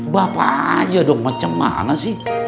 bapak aja dong macam mana sih